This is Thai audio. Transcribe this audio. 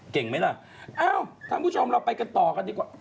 เก่งไหมล่ะอ้าวทางคุณชมเราไปกันต่อกันดีกว่า